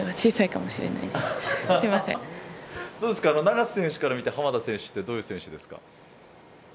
永瀬選手から見て浜田選手はどういう選手ですか？